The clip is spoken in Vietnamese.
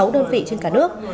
chín mươi sáu đơn vị trên cả nước